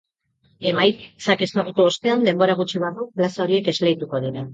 Emaitzak ezagutu ostean, denbora gutxi barru, plaza horiek esleituko dira.